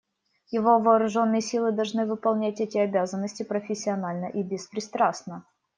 Его вооруженные силы должны выполнять эти обязанности профессионально и беспристрастно.